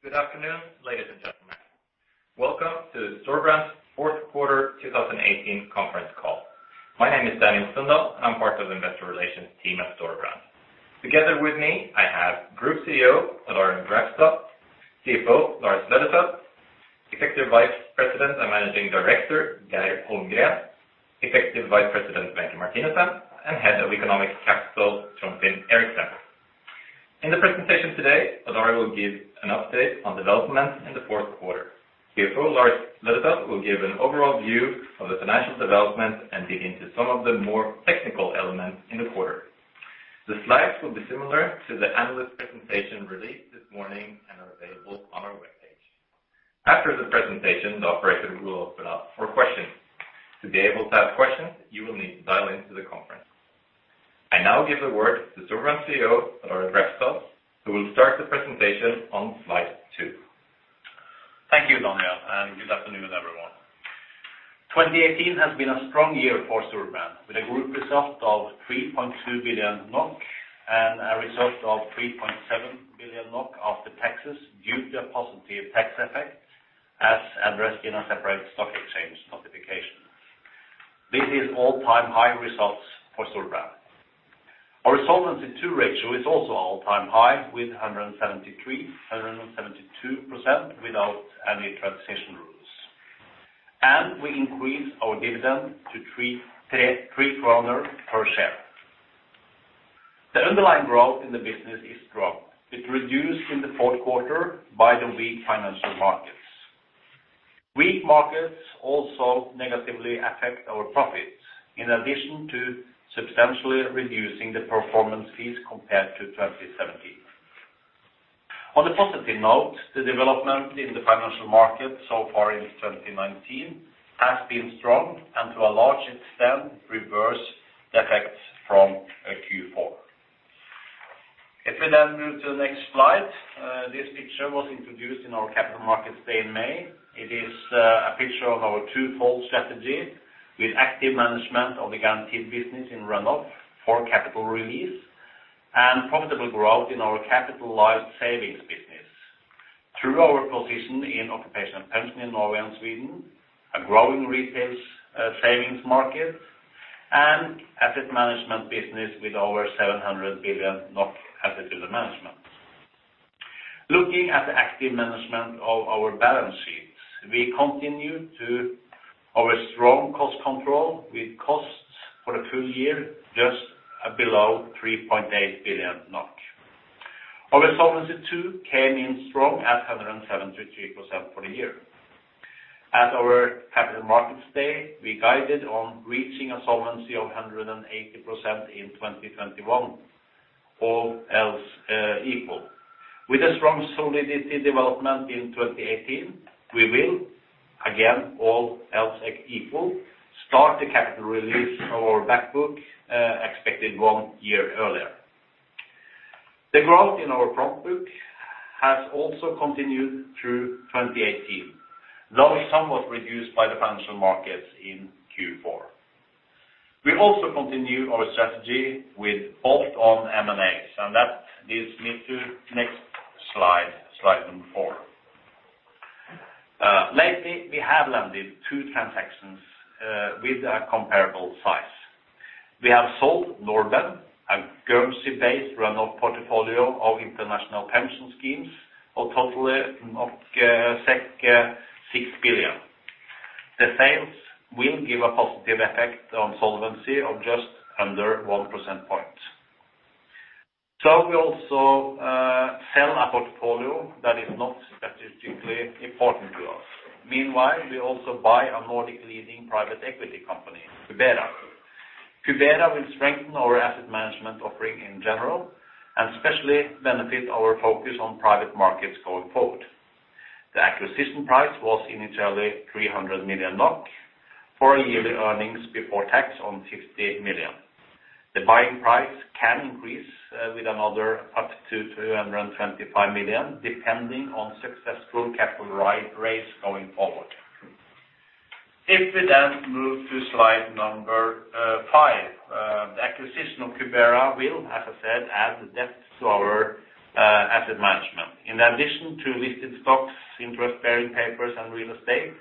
Thank you very much. Good afternoon, ladies and gentlemen. Welcome to Storebrand's fourth quarter 2018 conference call. My name is Daniel Sundahl, and I'm part of Investor Relations team at Storebrand. Together with me, I have Group CEO Odd Arild Grefstad, CFO Lars Aa. Løddesøl, Executive Vice President and Managing Director Geir Holmgren, Executive Vice President Wenche Martinussen, and Head of Economic Capital Trond Finn Eriksen. In the presentation today, Odd Arild will give an update on development in the fourth quarter. CFO Lars Aa. Løddesøl will give an overall view of the financial development and dig into some of the more technical elements in the quarter. The slides will be similar to the analyst presentation released this morning and are available on our webpage. After the presentation, the operator will open up for questions. To be able to have questions, you will need to dial into the conference. I now give the word to Storebrand CEO, Odd Arild Grefstad, who will start the presentation on slide two. Thank you, Daniel, and good afternoon, everyone. 2018 has been a strong year for Storebrand, with a group result of 3.2 billion NOK, and a result of 3.7 billion NOK after taxes, due to a positive tax effect, as addressed in a separate stock exchange notification. This is all-time high results for Storebrand. Our Solvency II ratio is also all-time high, with 172% without any transition rules. And we increase our dividend to 3.33 kroner per share. The underlying growth in the business is strong. It reduced in the fourth quarter by the weak financial markets. Weak markets also negatively affect our profits, in addition to substantially reducing the performance fees compared to 2017. On a positive note, the development in the financial market so far in 2019 has been strong, and to a large extent, reverse the effects from Q4. If we then move to the next slide, this picture was introduced in our Capital Markets Day in May. It is a picture of our twofold strategy with active management of the guaranteed business in run-off for capital release, and profitable growth in our capital life savings business. Through our position in occupational pension in Norway and Sweden, a growing retail savings market, and asset management business with over 700 billion NOK asset under management. Looking at the active management of our balance sheets, we continue to our strong cost control, with costs for the full year, just below 3.8 billion NOK. Our Solvency II came in strong at 173% for the year. At our Capital Markets Day, we guided on reaching a solvency of 180% in 2021, all else equal. With a strong solidity development in 2018, we will, again, all else equal, start the capital release of our back book expected one year earlier. The growth in our front book has also continued through 2018, though somewhat reduced by the financial markets in Q4. We also continue our strategy with bolt-on M&As, and that leads me to next slide, slide number four. Lately, we have landed two transactions with a comparable size. We have sold Nordben, a Guernsey-based run-off portfolio of international pension schemes, of totally 6 billion. The sales will give a positive effect on solvency of just under one percent point. So we also sell a portfolio that is not strategically important to us. Meanwhile, we also buy a Nordic leading private equity company, Cubera. Cubera will strengthen our asset management offering in general, and especially benefit our focus on private markets going forward. The acquisition price was initially 300 million NOK, for a yearly earnings before tax on 50 million. The buying price can increase with another up to 225 million, depending on successful capital raise going forward. If we then move to slide number five, the acquisition of Cubera will, as I said, add depth to our asset management. In addition to listed stocks, interest-bearing papers, and real estate,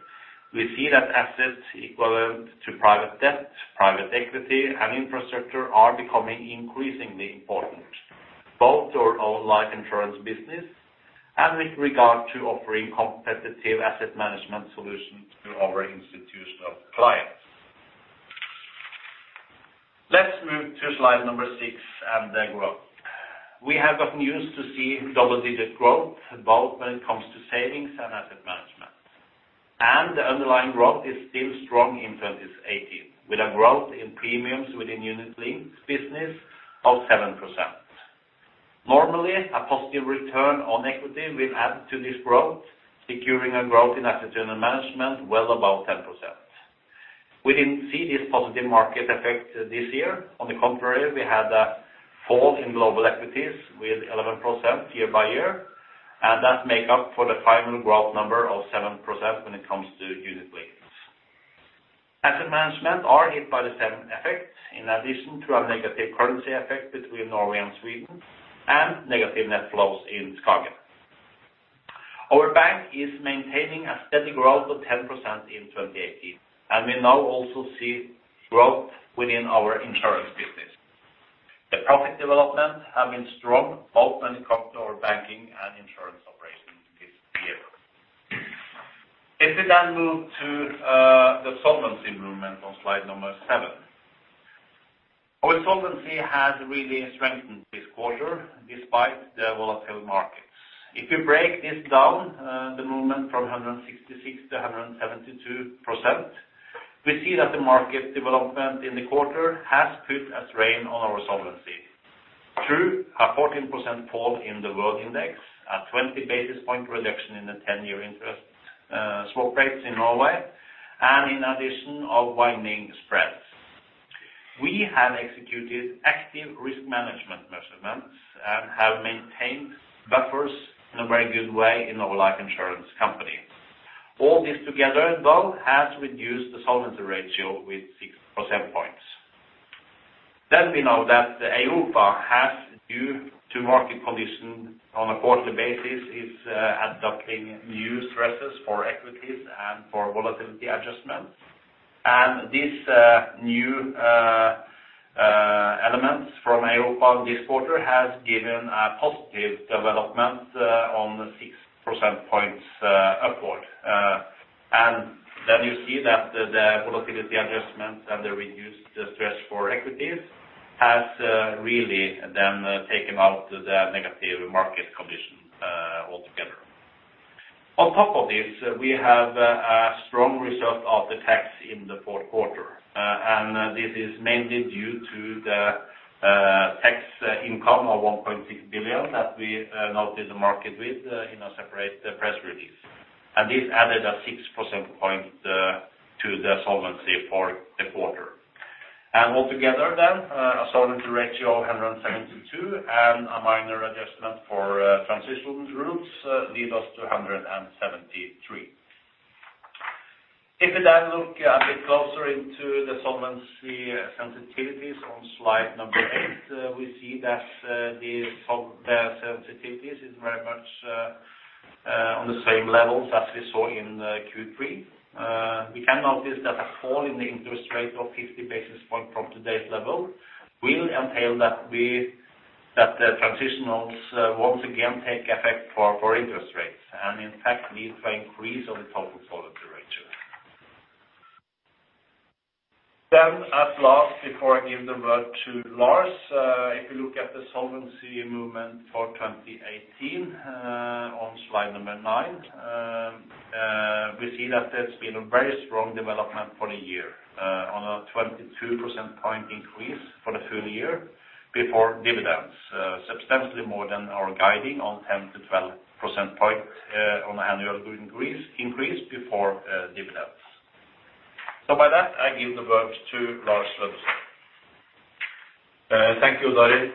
we see that assets equivalent to private debt, private equity, and infrastructure are becoming increasingly important, both to our own life insurance business and with regard to offering competitive asset management solutions to our institutional clients. Let's move to slide number six, and the growth. We have gotten used to seeing double-digit growth, both when it comes to savings and asset management. And the underlying growth is still strong in 2018, with a growth in premiums within unit-linked business of 7%. Normally, a positive return on equity will add to this growth, securing a growth in asset management well above 10%. We didn't see this positive market effect this year. On the contrary, we had a fall in global equities with 11% year-over-year, and that make up for the final growth number of 7% when it comes to unit links. Asset management are hit by the same effects, in addition to a negative currency effect between Norway and Sweden, and negative net flows in SKAGEN. Our bank is maintaining a steady growth of 10% in 2018, and we now also see growth within our insurance business. The profit development have been strong, both when it comes to our banking and insurance operations this year. If we then move to the solvency movement on slide number seven. Our solvency has really strengthened this quarter, despite the volatile markets. If you break this down, the movement from 166% to 172%, we see that the market development in the quarter has put a strain on our solvency. Through a 14% fall in the world index, a 20 basis point reduction in the 10-year interest swap rates in Norway, and in addition, of widening spreads. We have executed active risk management measurements, and have maintained buffers in a very good way in our life insurance company. All this together, though, has reduced the solvency ratio with six percent points. Then we know that the EIOPA has, due to market conditions on a quarterly basis, is adopting new stresses for equities and for volatility adjustments. And these new elements from EIOPA this quarter has given a positive development on the six percent points upward. And then you see that the volatility adjustments and the reduced stress for equities has really then taken out the negative market condition altogether. On top of this, we have a strong result of the tax in the fourth quarter. And this is mainly due to the tax income of 1.6 billion that we noted the market with in a separate press release. And this added a six percent point to the solvency for the quarter. And altogether then, a solvency ratio of 172, and a minor adjustment for transitional groups lead us to 173. If you then look a bit closer into the solvency sensitivities on slide number eight, we see that the sensitivities is very much on the same levels as we saw in Q3. We can notice that a fall in the interest rate of 50 basis point from today's level will entail that we, that the transitionals once again take effect for interest rates, and in fact, lead to increase on the total solvency ratio. Then, at last, before I give the word to Lars, if you look at the solvency movement for 2018 on slide number nine we see that there's been a very strong development for the year on a 22 percent point increase for the full year before dividends. Substantially more than our guidance on 10-12 percent points on annual increase before dividends. So by that, I give the word to Lars Aa. Løddesøl. Thank you, Odd Arild.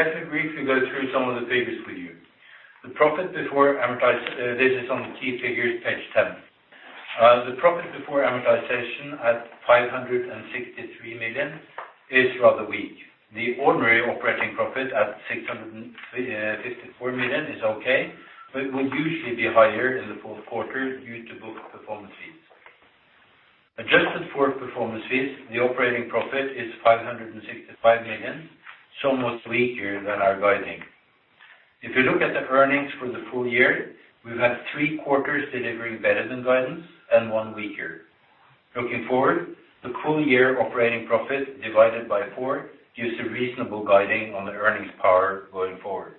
Let me briefly go through some of the papers with you. The profit before amortization, this is on the key figures, page 10. The profit before amortization at 563 million is rather weak. The ordinary operating profit at 654 million is okay, but will usually be higher in the fourth quarter due to book performance fees. Adjusted for performance fees, the operating profit is 565 million, so much weaker than our guiding. If you look at the earnings for the full year, we've had three quarters delivering better than guidance, and one weaker. Looking forward, the full year operating profit divided by four gives a reasonable guiding on the earnings power going forward.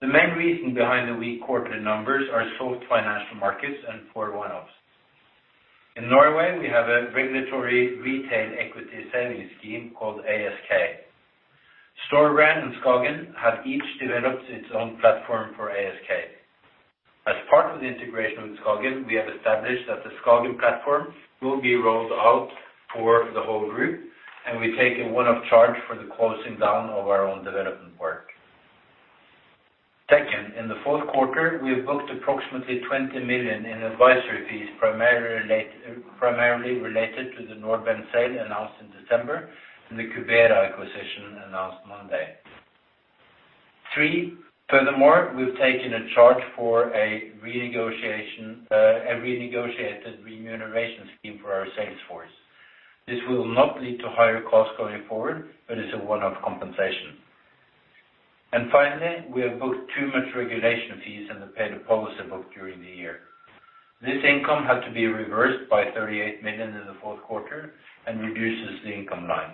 The main reason behind the weak quarter numbers are slow financial markets and poor one-offs. In Norway, we have a regulatory retail equity savings scheme called ASK. Storebrand and SKAGEN have each developed its own platform for ASK. As part of the integration with SKAGEN, we have established that the SKAGEN platform will be rolled out for the whole group, and we take a one-off charge for the closing down of our own development work. Second, in the fourth quarter, we have booked approximately 20 million in advisory fees, primarily related to the Nordben sale announced in December, and the Cubera acquisition announced Monday. Three, furthermore, we've taken a charge for a renegotiation, a renegotiated remuneration scheme for our sales force. This will not lead to higher costs going forward, but it's a one-off compensation. And finally, we have booked too much regulatory fees in the paid-up policy book during the year. This income had to be reversed by 38 million in the fourth quarter, and reduces the income line.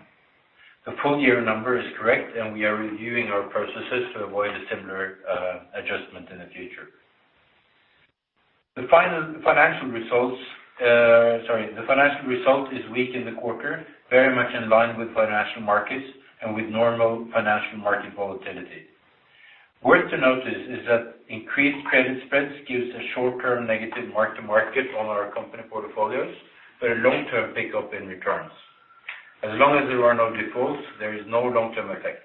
The full year number is correct, and we are reviewing our processes to avoid a similar adjustment in the future. The final financial results, the financial result is weak in the quarter, very much in line with financial markets and with normal financial market volatility. Worth to notice, is that increased credit spreads gives a short term negative mark to market on our company portfolios, but a long term pickup in returns. As long as there are no defaults, there is no long-term effect....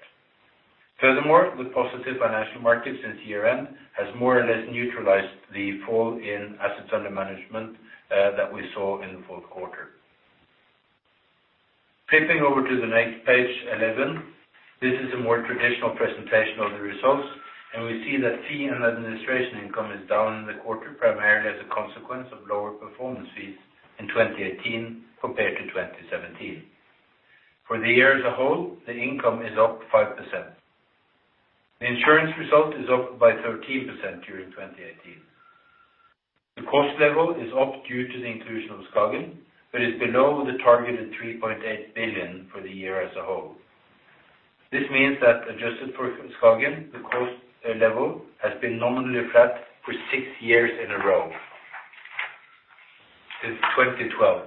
Furthermore, the positive financial market since year end has more or less neutralized the fall in assets under management that we saw in the fourth quarter. Flipping over to the next page 11, this is a more traditional presentation of the results, and we see that fee and administration income is down in the quarter, primarily as a consequence of lower performance fees in 2018 compared to 2017. For the year as a whole, the income is up 5%. The insurance result is up by 13% during 2018. The cost level is up due to the inclusion of SKAGEN, but is below the targeted 3.8 billion for the year as a whole. This means that adjusted for SKAGEN, the cost level has been nominally flat for six years in a row, since 2012.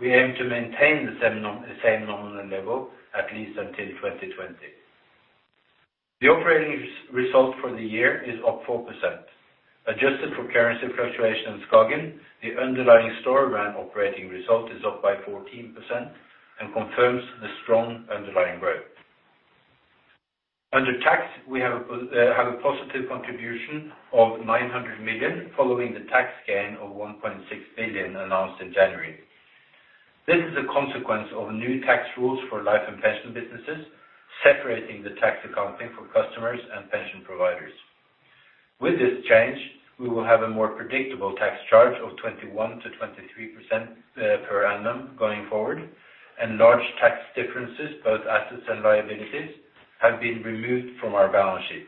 We aim to maintain the same nominal level at least until 2020. The operating result for the year is up 4%. Adjusted for currency fluctuation in Skagen, the underlying Storebrand operating result is up by 14% and confirms the strong underlying growth. Under tax, we have a, have a positive contribution of 900 million, following the tax gain of 1.6 billion announced in January. This is a consequence of new tax rules for life and pension businesses, separating the tax accounting for customers and pension providers. With this change, we will have a more predictable tax charge of 21%-23% per annum going forward, and large tax differences, both assets and liabilities, have been removed from our balance sheet.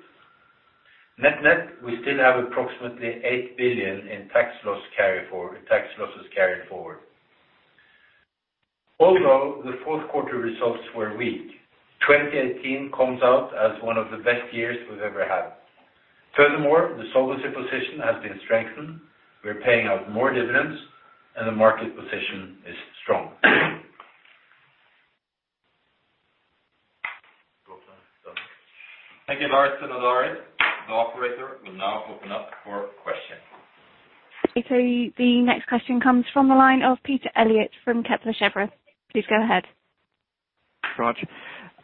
Net, net, we still have approximately 8 billion in tax loss carry forward, tax losses carried forward. Although the fourth quarter results were weak, 2018 comes out as one of the best years we've ever had. Furthermore, the solvency position has been strengthened, we're paying out more dividends, and the market position is strong. Thank you, Lars and Arild. The operator will now open up for questions. So the next question comes from the line of Peter Eliot from Kepler Cheuvreux. Please go ahead. Odd. So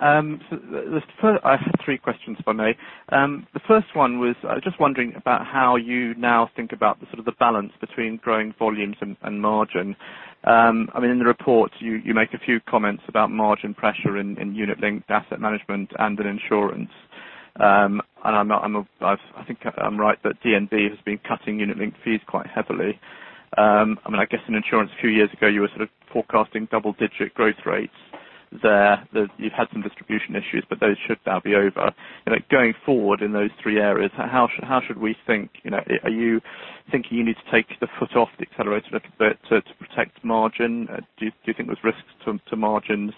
the first... I have three questions, if I may. The first one was, I was just wondering about how you now think about the sort of the balance between growing volumes and margin. I mean, in the report, you make a few comments about margin pressure in unit link asset management and in insurance. And I'm not, I'm, I've, I think I'm right, that DNB has been cutting unit link fees quite heavily. I mean, I guess in insurance a few years ago, you were sort of forecasting double-digit growth rates there. That you've had some distribution issues, but those should now be over. You know, going forward in those three areas, how should we think, you know, are you thinking you need to take the foot off the accelerator a little bit to protect margin? Do you think there's risks to margins?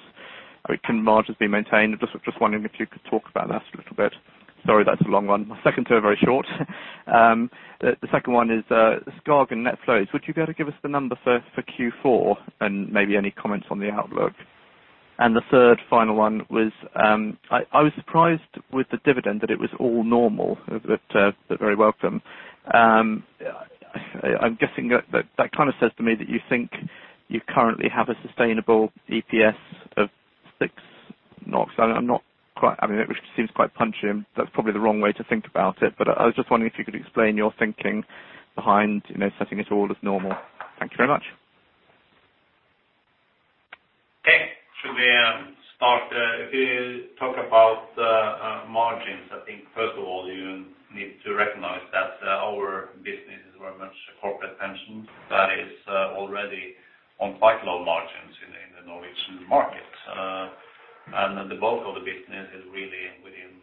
I mean, can margins be maintained? Just wondering if you could talk about that a little bit. Sorry, that's a long one. My second two are very short. The second one is, Skagen net flows. Would you be able to give us the number for Q4 and maybe any comments on the outlook? And the third final one was, I was surprised with the dividend, that it was all normal, but very welcome. I'm guessing that kind of says to me that you think you currently have a sustainable EPS of 6 NOK. So I'm not quite. I mean, it seems quite punchy, and that's probably the wrong way to think about it. But I was just wondering if you could explain your thinking behind, you know, setting it all as normal. Thank you very much. Okay. Should we start, if we talk about margins, I think first of all, you need to recognize that our business is very much a corporate pension that is already on quite low margins in the Norwegian market. And the bulk of the business is really within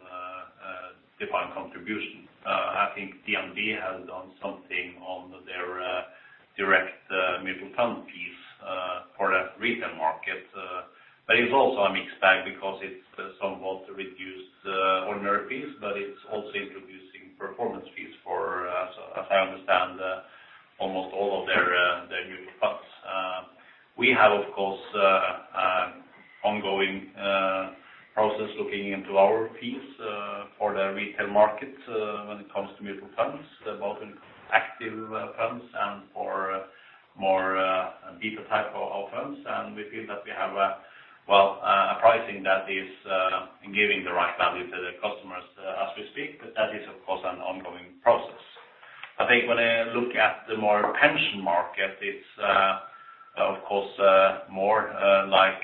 defined contribution. I think DNB has done something on their direct mutual fund fees for the retail market, but it's also a mixed bag because it's somewhat reduced ordinary fees, but it's also introducing performance fees for, as I understand, almost all of their mutual funds. We have, of course, an ongoing process looking into our fees for the retail market, when it comes to mutual funds, both in active funds and for more beta type of funds. And we feel that we have a, well, a pricing that is giving the right value to the customers, as we speak. But that is, of course, an ongoing process. I think when I look at the more pension market, it's, of course, more like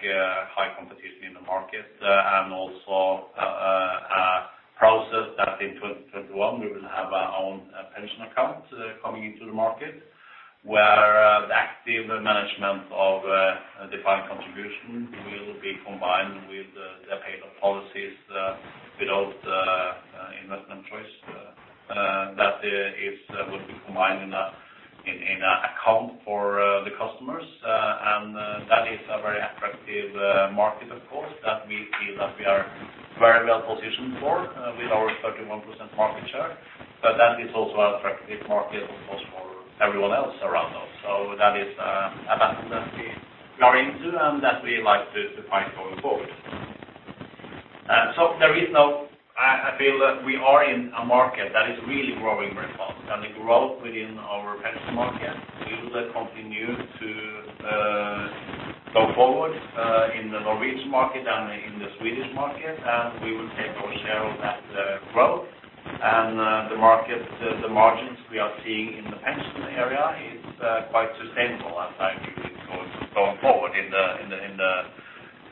high competition in the market, and also a process that in 2021, we will have our Own Pension Account coming into the market. Where the active management of Defined Contribution will be combined with the paid-up policies, without investment choice. That is, will be combined in an account for the customers, and that is a very attractive market of course, that we feel that we are very well positioned for, with our 31% market share. But that is also an attractive market, of course, for everyone else around us. So that is a battle that we are into and that we like to fight going forward. So I feel that we are in a market that is really growing very fast, and the growth within our pension market will continue to go forward in the Norwegian market and in the Swedish market, and we will take our share of that growth. The market, the margins we are seeing in the pension area is quite sustainable, I think, going forward in the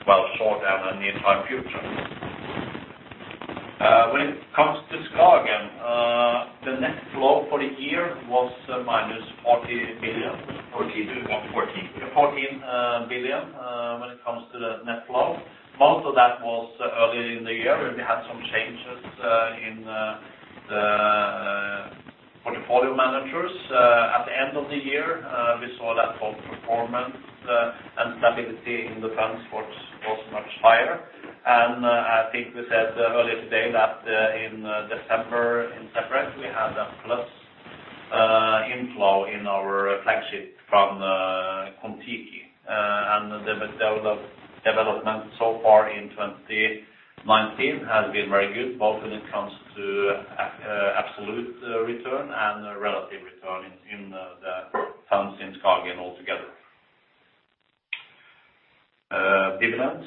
well, short and the near time future. When it comes to SKAGEN, the net flow for the year was -40 billion. 14. 14 billion when it comes to the net flow. Most of that was early in the year, where we had some changes in the portfolio managers. At the end of the year, we saw that both performance and stability in the funds was much higher. And, I think we said earlier today, that in December, in separate, we had a plus inflow in our flagship from Kon-Tiki. And the development so far in 2019 has been very good, both when it comes to absolute return and relative return in the funds in SKAGEN altogether. Dividends.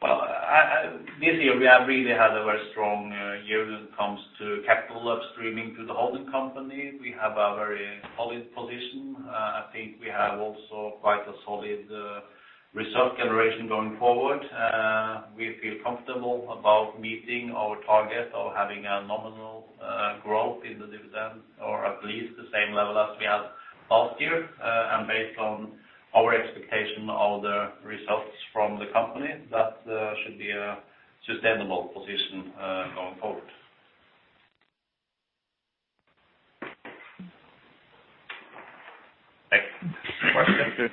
Well, this year, we have really had a very strong year when it comes to capital upstreaming to the holding company. We have a very solid position. I think we have also quite a solid result generation going forward. We feel comfortable about meeting our target of having a nominal growth in the dividends, or at least the same level as we had last year. And based on our expectation of the results from the company, that should be a sustainable position going forward. Thanks. Thank you.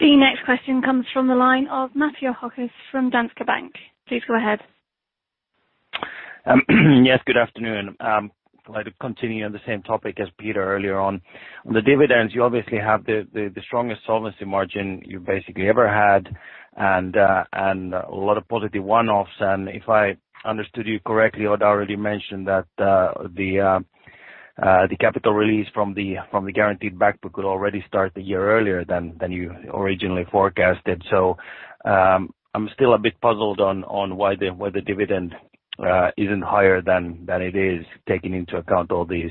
The next question comes from the line of Matti Ahokas from Danske Bank. Please go ahead. Yes, good afternoon. I'd like to continue on the same topic as Peter earlier on. On the dividends, you obviously have the strongest solvency margin you've basically ever had, and a lot of positive one-offs. And if I understood you correctly, you had already mentioned that the capital release from the guaranteed back book would already start a year earlier than you originally forecasted. So, I'm still a bit puzzled on why the dividend isn't higher than it is, taking into account all these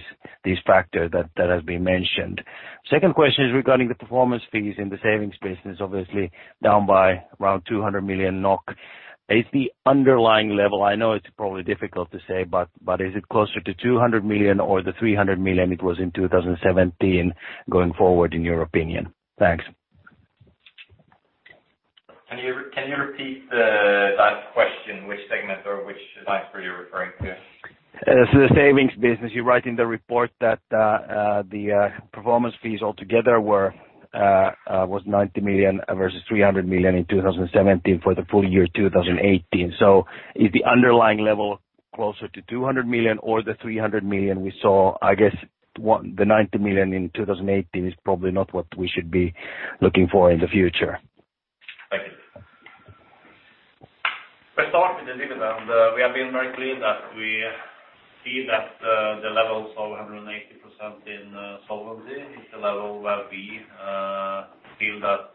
factors that has been mentioned. Second question is regarding the performance fees in the savings business, obviously down by around 200 million NOK. Is the underlying level, I know it's probably difficult to say, but, but is it closer to 200 million or the 300 million it was in 2017 going forward, in your opinion? Thanks. Can you repeat that question, which segment or which slide were you referring to? So the savings business, you write in the report that the performance fees altogether was 90 million versus 300 million in 2017 for the full year 2018. So is the underlying level closer to 200 million or the 300 million we saw? I guess the 90 million in 2018 is probably not what we should be looking for in the future. Thank you. We start with the dividend. We have been very clear that we see that the levels of 180% in solvency is the level where we feel that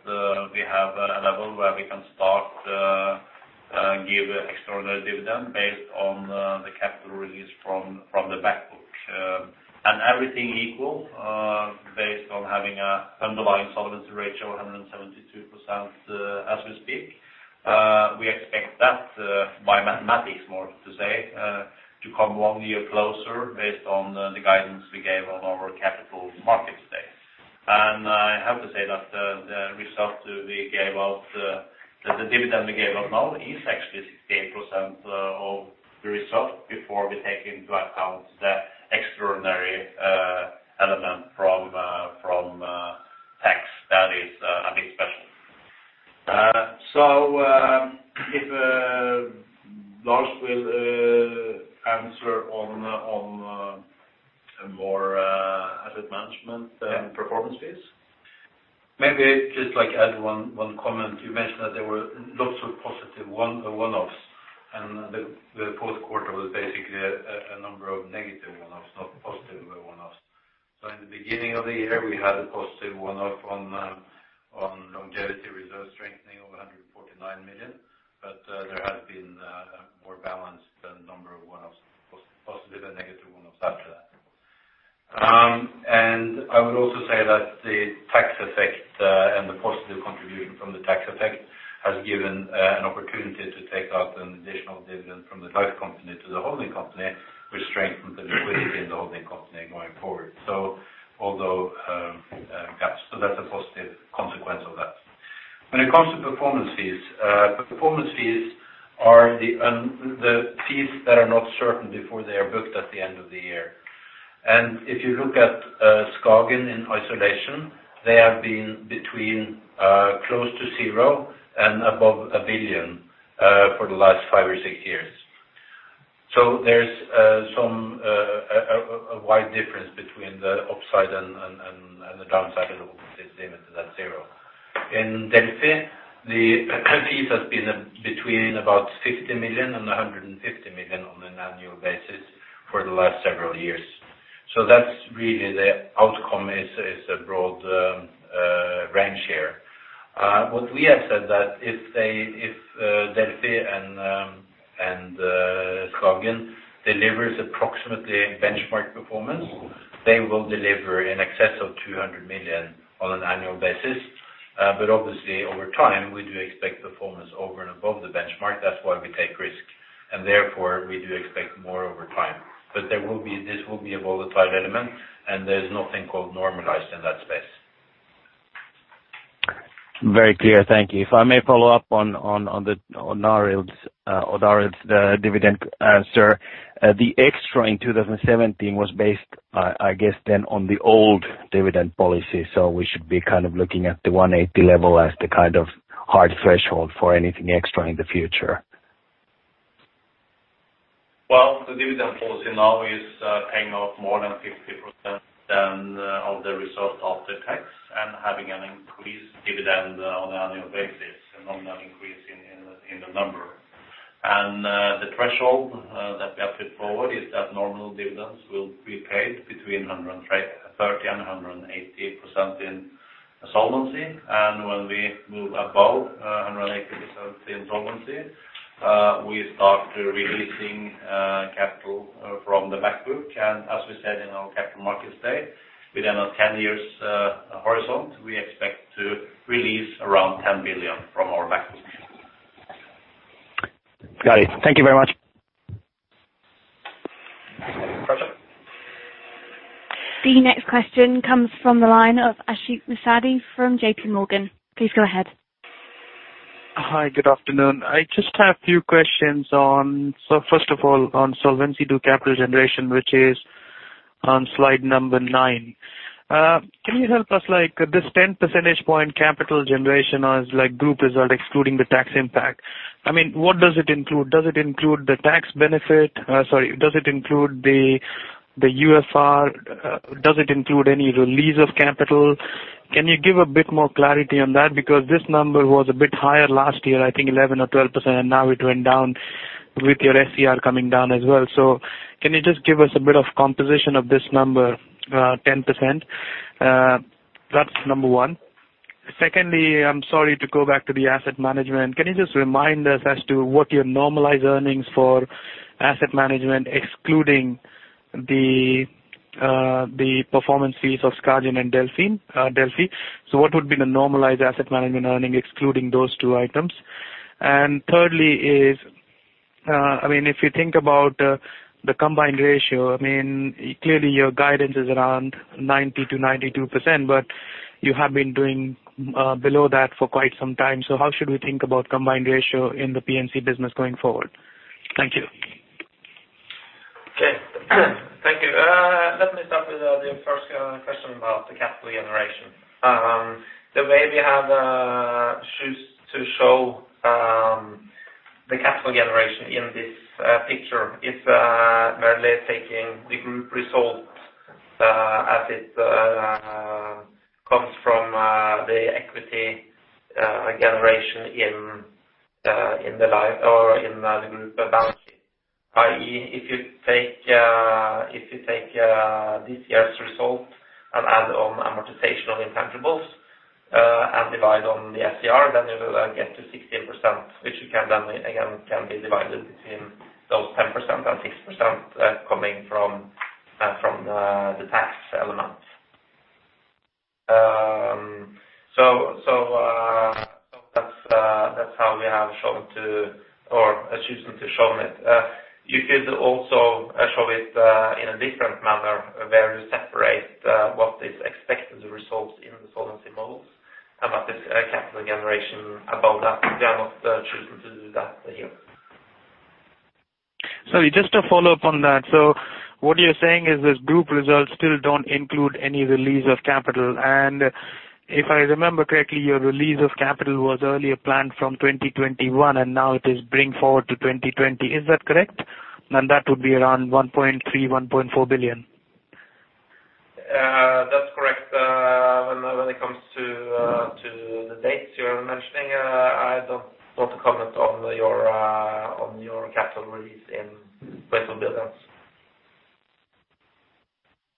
we have a level where we can start give extraordinary dividend based on the capital release from the back book. And everything equal based on having a underlying solvency ratio of 172% as we speak. We expect that by mathematics, more to say to come one year closer based on the guidance we gave on our capital market today. I have to say that, the result we gave out, the dividend we gave out now is actually 68% of the result before we take into account the extraordinary element from tax. That is a bit special. So, if Lars will answer on more asset management and performance fees. Maybe just like add one comment. You mentioned that there were lots of positive one-offs, and the fourth quarter was basically a number of negative one-offs, not positive one-offs. So in the beginning of the year, we had a positive one-off on longevity reserve strengthening of 149 million. But there has been a more balanced number of one-offs, positive and negative one-offs after that. And I would also say that the tax effect, and the positive contribution from the tax effect, has given an opportunity to take out an additional dividend from the life company to the holding company, which strengthened the liquidity in the holding company going forward. So although, yeah, so that's a positive consequence of that. When it comes to performance fees, performance fees are the, the fees that are not certain before they are booked at the end of the year. And if you look at SKAGEN in isolation, they have been between close to zero and above 1 billion for the last five or six years. So there's some, a, a wide difference between the upside and, and, and, and the downside of the book zero. In Delphi, the fees has been between about 50 million and 150 million on an annual basis for the last several years. So that's really the outcome is a broad range here. What we have said that if they, if Delphi and Skagen delivers approximately benchmark performance, they will deliver in excess of 200 million on an annual basis. But obviously, over time, we do expect performance over and above the benchmark. That's why we take risk, and therefore, we do expect more over time. But there will be, this will be a volatile element, and there's nothing called normalized in that space. Very clear. Thank you. If I may follow up on Narum's dividend answer. The extra in 2017 was based, I guess, then on the old dividend policy, so we should be kind of looking at the 180 level as the kind of hard threshold for anything extra in the future. Well, the dividend policy now is paying off more than 50% than of the result of the tax and having an increased dividend on an annual basis, a nominal increase in the number. The threshold that we have put forward is that normal dividends will be paid between 130 and 180% in solvency. And when we move above 180% in solvency, we start releasing capital from the back book. And as we said in our Capital Markets Day, within a 10-year horizon, we expect to release around 10 billion from our back book. Got it. Thank you very much. The next question comes from the line of Ashik Musaddi from JP Morgan. Please go ahead. Hi, good afternoon. I just have few questions on, So first of all, on solvency to capital generation, which is on slide number nine. Can you help us, like, this 10 percentage point capital generation on, like, group result, excluding the tax impact? I mean, what does it include? Does it include the tax benefit? Sorry, does it include the, the UFR? Does it include any release of capital? Can you give a bit more clarity on that? Because this number was a bit higher last year, I think 11 or 12%, and now it went down with your SCR coming down as well. So can you just give us a bit of composition of this number, 10%? That's number one. Secondly, I'm sorry to go back to the asset management. Can you just remind us as to what your normalized earnings for asset management, excluding the, the performance fees of Skagen and Delphine, Delphi? So what would be the normalized asset management earning, excluding those two items? And thirdly is, I mean, if you think about, the combined ratio, I mean, clearly your guidance is around 90%-92%, but you have been doing, below that for quite some time. So how should we think about combined ratio in the P&C business going forward? Thank you. Okay. Thank you. Let me start with the first question about the capital generation. The way we have choose to show the capital generation in this picture is merely taking the group results as it comes from the equity generation in the life or in the group balance sheet. If you take this year's results and add on amortization of intangibles and divide on the SCR, then you will get to 16%, which you can then again can be divided between those 10% and 6% coming from the tax element. So that's how we have shown to or chosen to shown it. You could also show it in a different manner, where you separate what is expected to result in the solvency models, and that is capital generation. About that, we have not chosen to do that here. Sorry, just to follow up on that. So what you're saying is, this group results still don't include any release of capital. And if I remember correctly, your release of capital was earlier planned from 2021, and now it is bring forward to 2020. Is that correct? And that would be around 1.3 billion, 1.4 billion. That's correct. When it comes to the dates you're mentioning, I don't want to comment on your capital release in billion.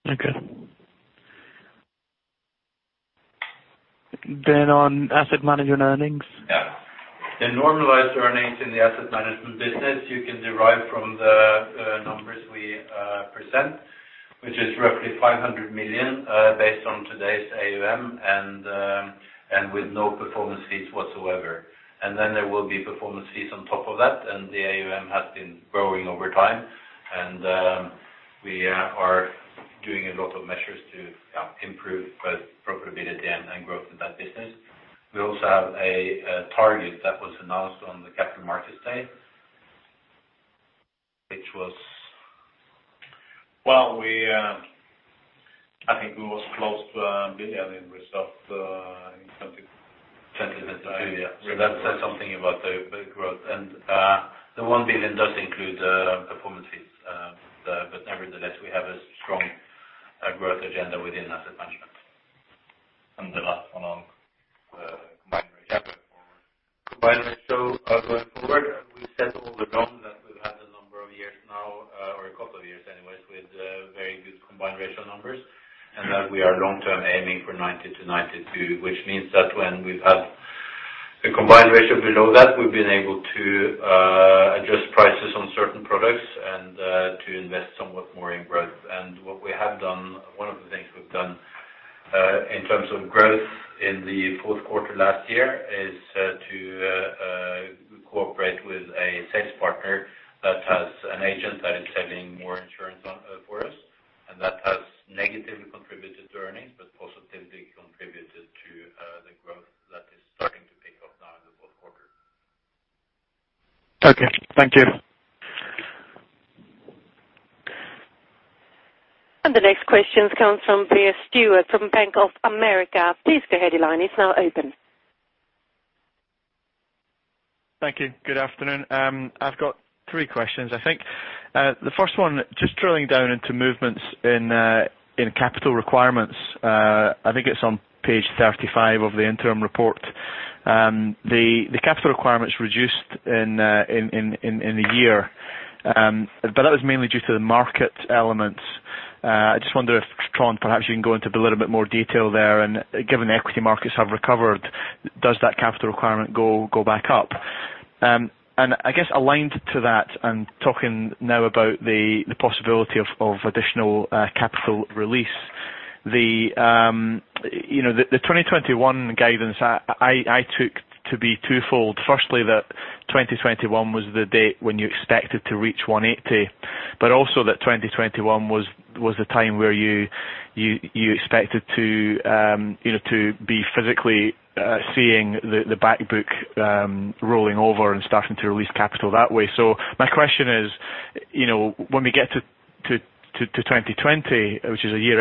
Okay. Then on asset management earnings? Yeah. The normalized earnings in the asset management business, you can derive from the numbers we present, which is roughly 500 million based on today's AUM and with no performance fees whatsoever. And then there will be performance fees on top of that, and the AUM has been growing over time. And we are doing a lot of measures to improve both profitability and growth in that business. We also have a target that was announced on the capital markets day, which was... Well, I think we was close to 1 billion in results in 2022. Yeah. So that says something about the big growth. And the one billion does include performance fees. But nevertheless, we have a strong, growth agenda within asset management. And the last one on, combined ratio. Combined Ratio, going forward, we said all along that we've had a number of years now, or a couple of years anyways, with, very good Combined Ratio numbers, and that we are long-term aiming for 90%-92%. Which means that when we've had a Combined Ratio below that, we've been able to, adjust prices on certain products and, to invest somewhat more in growth. What we have done, one of the things we've done, in terms of growth in the fourth quarter last year, is to cooperate with a sales partner that has an agent that is selling more insurance on for us, and that has negatively contributed to earnings, but positively contributed to the growth that is starting to pick up now in the fourth quarter. Okay, thank you. The next question comes from Blair Stewart, from Bank of America. Please go ahead, your line is now open. Thank you. Good afternoon. I've got three questions, I think. The first one, just drilling down into movements in capital requirements, I think it's on page 35 of the interim report. The capital requirements reduced in the year, but that was mainly due to the market elements. I just wonder if, Trond, perhaps you can go into a little bit more detail there, and given the equity markets have recovered, does that capital requirement go back up? And I guess aligned to that, and talking now about the possibility of additional capital release, you know, the 2021 guidance, I took to be twofold. Firstly, that 2021 was the date when you expected to reach 180, but also that 2021 was the time where you expected to, you know, to be physically seeing the back book rolling over and starting to release capital that way. So my question is, you know, when we get to 2020, which is a year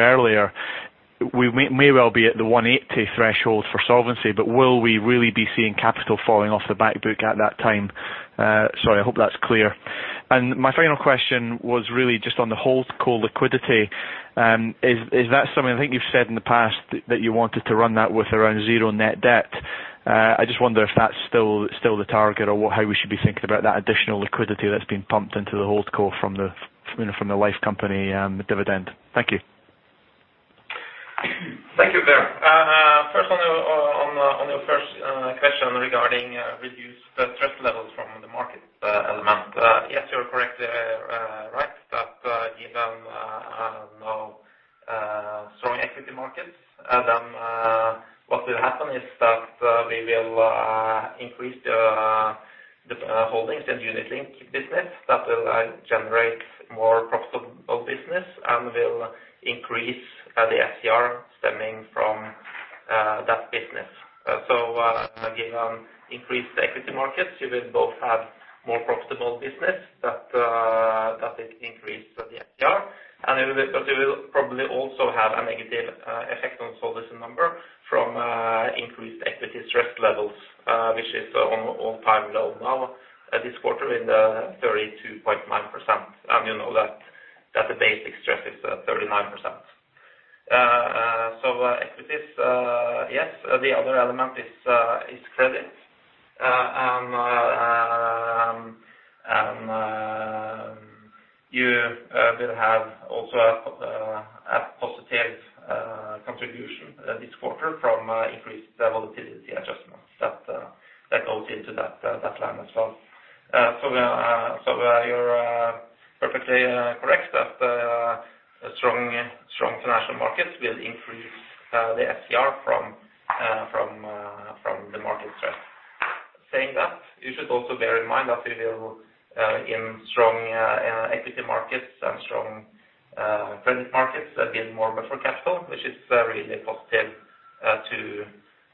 earlier, we may well be at the 180 threshold for solvency, but will we really be seeing capital falling off the back book at that time? Sorry, I hope that's clear. And my final question was really just on the holdco liquidity. Is that something I think you've said in the past, that you wanted to run that with around zero net debt? I just wonder if that's still the target or what, how we should be thinking about that additional liquidity that's been pumped into the holdco from the, you know, from the life company, dividend. Thank you. Thank you Blair. First on your first question regarding reduced stress levels from the market element. Yes, you're correct, right, that given now strong equity markets, what will happen is that we will increase the holdings in unit link business. That will generate more profitable business and will increase the SCR stemming from that business. So, again, on increased equity markets, you will both have more profitable business that will increase the SCR. And it will probably also have a negative effect on solvency number from increased equity stress levels, which is all-time low now, at this quarter in the 32.9%. And you know that the basic stress is 39%. So, equities, yes, the other element is credit. And you will have also a positive contribution this quarter from increased volatility adjustments that goes into that line as well. So, you're perfectly correct that strong international markets will increase the SCR from the market stress. Saying that, you should also bear in mind that we will, in strong equity markets and strong credit markets, have been more buffer capital, which is really positive to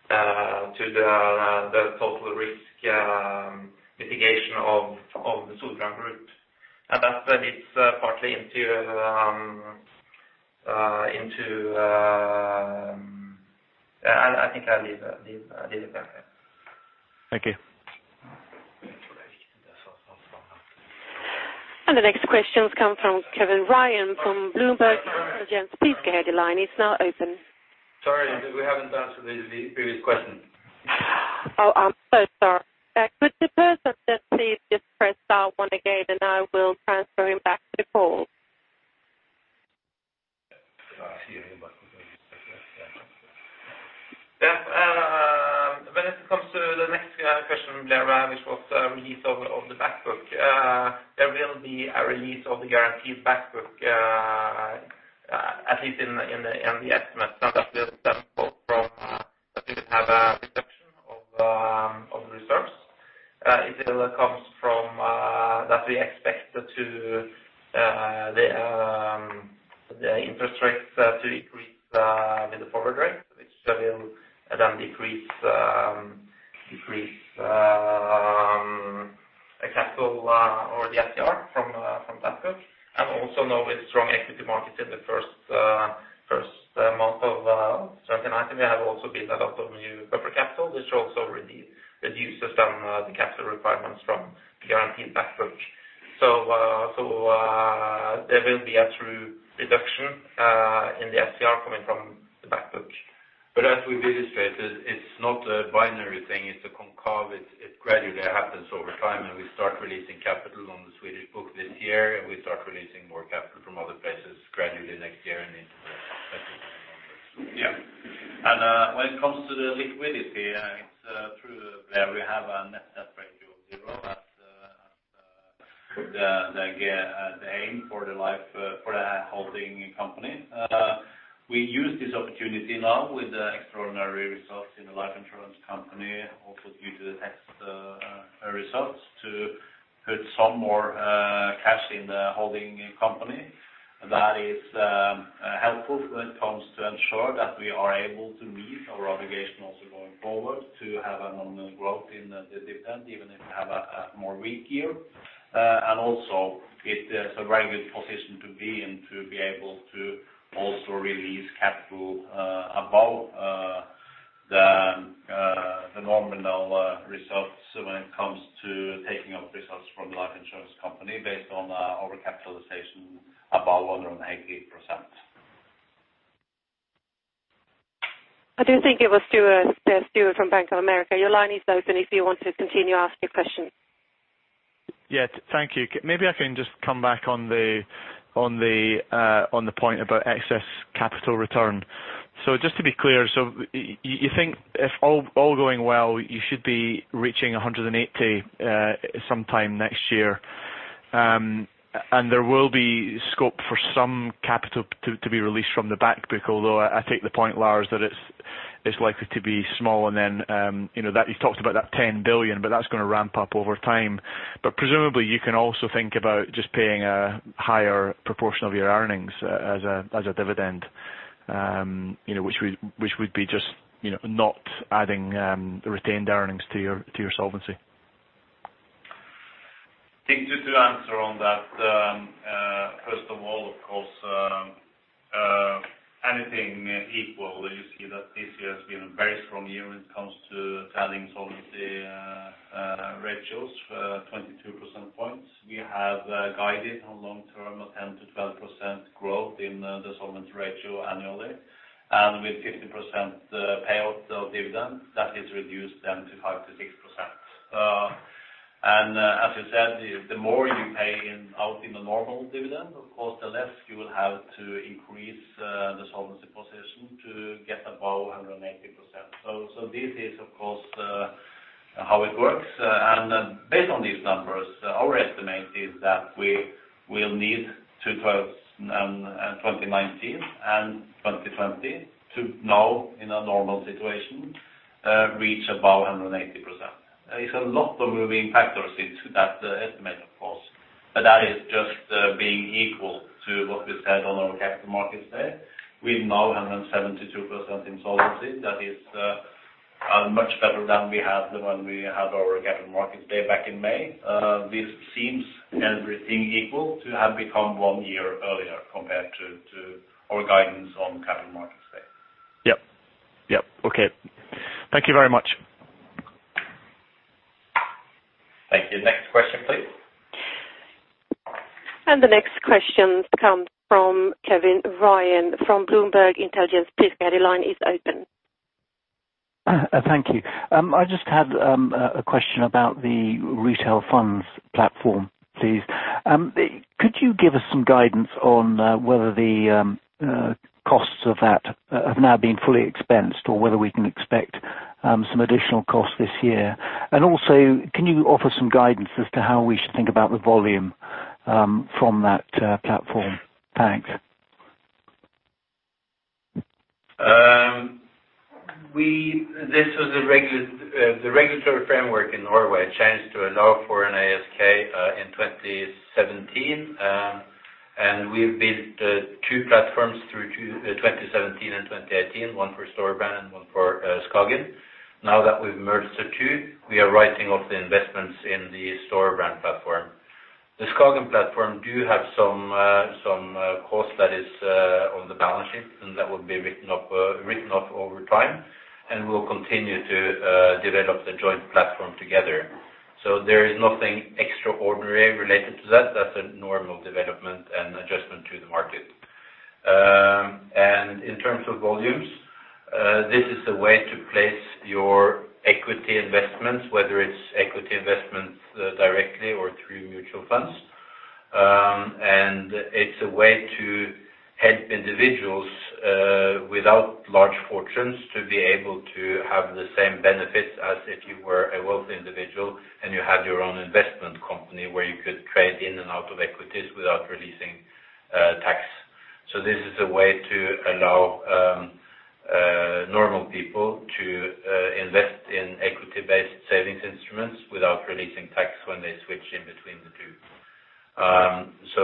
the total risk mitigation of the Storebrand Group. And that leads partly into, I think I'll leave it there. Thank you. The next question comes from Kevin Ryan, from Bloomberg Intelligence. Please go ahead, your line is now open. Sorry, we haven't answered the previous question. Oh, I'm so sorry. Could the person just please just "press star one" again, And when it comes to the liquidity, it's true that we have a net debt ratio of zero, but the aim for the life for the holding company. We use this opportunity now with the extraordinary results in the life insurance company, also due to the tax results, to put some more cash in the holding company. That is helpful when it comes to ensure that we are able to meet our obligation, also going forward, to have a nominal growth in the dividend, even if you have a more weak year. Also it is a very good position to be in, to be able to also release capital above the nominal results when it comes to taking up results from the life insurance company, based on our capitalization above 180%. I do think it was Stewart. Yes, Stewart from Bank of America. Your line is open if you want to continue asking questions. Yeah, thank you. Maybe I can just come back on the point about excess capital return. So just to be clear, so you think if all going well, you should be reaching 180 sometime next year, and there will be scope for some capital to be released from the back book, although I take the point, Lars, that it's likely to be small. And then, you know, that you've talked about that 10 billion, but that's gonna ramp up over time. But presumably, you can also think about just paying a higher proportion of your earnings as a dividend, you know, which would be just, you know, not adding the retained earnings to your solvency. I think just to answer on that, first of all, of course, anything equal, you see that this year has been a very strong year when it comes to adding solvency ratios, 22 percent points. We have guided on long term a 10%-12% growth in the solvency ratio annually, and with 50% payout of dividend, that is reduced then to 5%-6%. And, as you said, the more you pay out in the normal dividend, of course, the less you will have to increase the solvency position to get above 180%. So, this is, of course, how it works. And based on these numbers, our estimate is that we will need to towards 2019 and 2020 to now, in a normal situation, reach above 180%. There is a lot of moving factors into that estimate, of course, but that is just being equal to what we said on our capital markets day. We're now 172% in solvency. That is much better than we had when we had our capital markets day back in May. This seems everything equal to have become one year earlier compared to our guidance on capital markets day. Yep. Yep. Okay. Thank you very much. Thank you. Next question, please. The next question comes from Kevin Ryan, from Bloomberg Intelligence. Please, Kevin, your line is open. Thank you. I just had a question about the retail funds platform, please. Could you give us some guidance on whether the costs of that have now been fully expensed, or whether we can expect some additional costs this year? And also, can you offer some guidance as to how we should think about the volume from that platform? Thanks. This was a regulatory framework in Norway changed to a law for an ASK in 2017. And we've built two platforms through 2017 and 2018, one for Storebrand and one for Skagen. Now that we've merged the two, we are writing off the investments in the Storebrand platform. The Skagen platform do have some costs that is on the balance sheet, and that will be written off over time, and we'll continue to develop the joint platform together. So there is nothing extraordinary related to that. That's a normal development and adjustment to the market. And in terms of volumes, this is a way to place your equity investments, whether it's equity investments directly or through mutual funds. And it's a way to help individuals without large fortunes, to be able to have the same benefits as if you were a wealthy individual and you had your own investment company, where you could trade in and out of equities without releasing tax. So this is a way to allow normal people to invest in equity-based savings instruments without releasing tax when they switch in between the two. So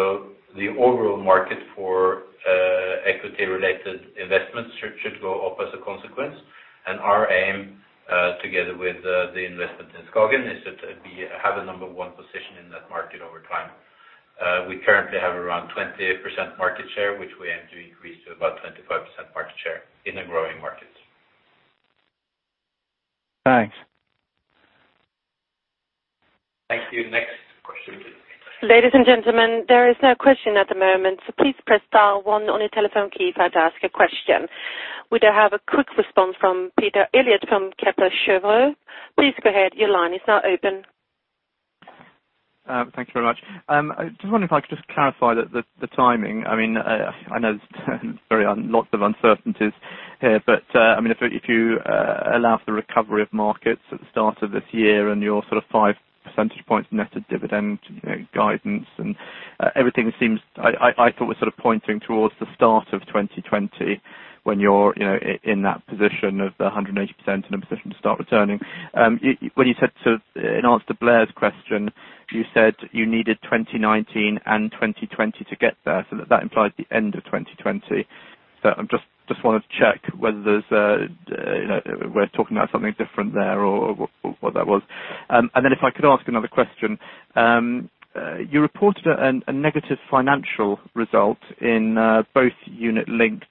the overall market for equity-related investments should go up as a consequence. And our aim, together with the investment in SKAGEN, is that we have a number one position in that market over time. We currently have around 20% market share, which we aim to increase to about 25% market share in a growing market. Thanks. Thank you. Next question, please. Ladies and gentlemen, there is no question at the moment, so please "press star one" on your telephone keypad to ask a question. We do have a quick response from Peter Eliot from Kepler Cheuvreux. Please go ahead. Your line is now open. Thank you very much. I just wonder if I could just clarify the timing. I mean, I know there's very un- lots of uncertainties here, but I mean, if you allow for the recovery of markets at the start of this year and your sort of five percent points net of dividend guidance and everything seems, I thought was sort of pointing towards the start of 2020, when you're, you know, in that position of the 180% in a position to start returning. When you said to, in answer to Blair's question, you said you needed 2019 and 2020 to get there, so that implies the end of 2020. So I just wanted to check whether there's a, you know, we're talking about something different there or what that was. And then if I could ask another question. You reported a negative financial result in both unit-linked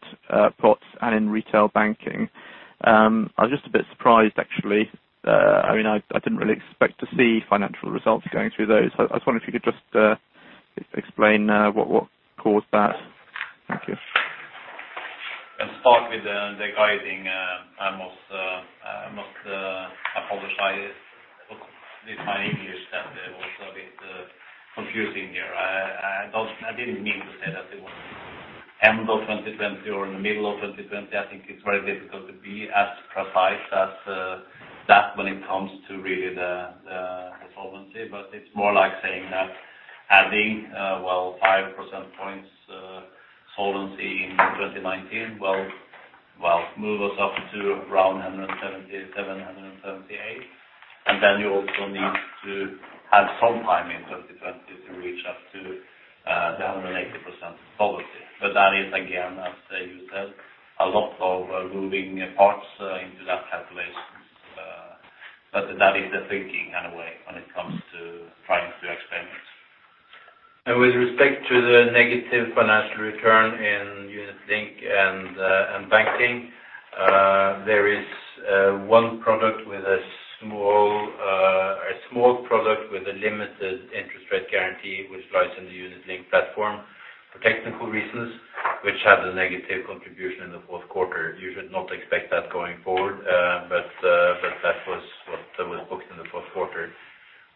pots and in retail banking. I was just a bit surprised, actually. I mean, I didn't really expect to see financial results going through those. So I was wondering if you could just explain what caused that? Thank you. I'll start with the guiding. I must apologize with my English, that it was a bit confusing here. I don't, I didn't mean to say that it was end of 2020 or in the middle of 2020. I think it's very difficult to be as precise as that when it comes to really the solvency, but it's more like saying that adding, well, five percent points solvency in 2019, well, move us up to around 177, 178. And then you also need to have some time in 2020 to reach up to the 180% solvency. But that is, again, as you said, a lot of moving parts into that calculations. But that is the thinking, in a way, when it comes to trying to explain it. And with respect to the negative financial return in unit-linked and banking, there is one product with a small product with a limited interest rate guarantee, which lies in the unit-linked platform for technical reasons, which had a negative contribution in the fourth quarter. You should not expect that going forward. But that was what was booked in the fourth quarter.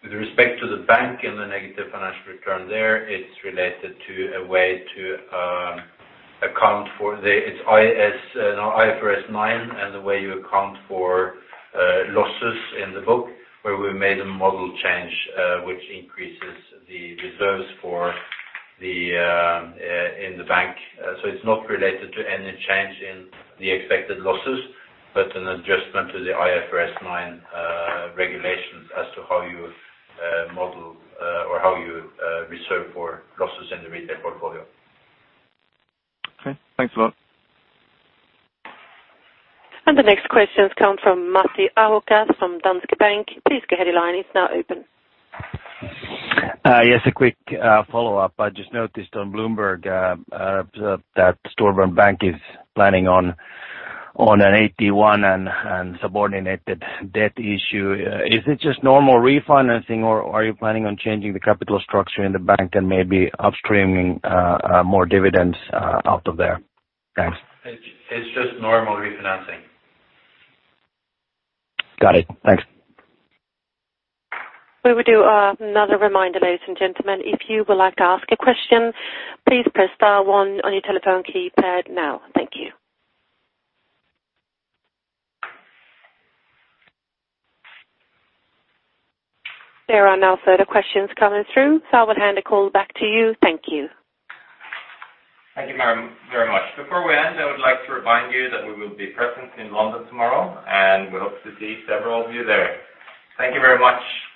With respect to the bank and the negative financial return there, it's related to a way to account for the... It's IS- no, IFRS 9, and the way you account for losses in the book, where we made a model change, which increases the reserves for the, in the bank. So it's not related to any change in the expected losses, but an adjustment to the IFRS 9 regulations as to how you model or how you reserve for losses in the retail portfolio. Okay. Thanks a lot. The next questions come from Matti Ahokas from Danske Bank. Please go ahead, your line is now open. Yes, a quick follow-up. I just noticed on Bloomberg that Storebrand Bank is planning on an AT1 and subordinated debt issue. Is it just normal refinancing, or are you planning on changing the capital structure in the bank and maybe upstreaming more dividends out of there? Thanks. It's just normal refinancing. Got it. Thanks. We will do another reminder, ladies and gentlemen. If you would like to ask a question, please "press star one" on your telephone keypad now. Thank you. There are no further questions coming through, so I will hand the call back to you. Thank you. Thank you very, very much. Before we end, I would like to remind you that we will be present in London tomorrow, and we hope to see several of you there. Thank you very much. Bye.